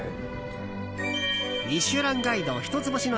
「ミシュランガイド」一つ星の